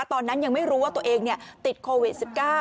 ตอนนั้นยังไม่รู้ว่าตัวเองติดโควิด๑๙